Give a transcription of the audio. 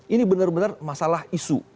ini benar benar masalah isu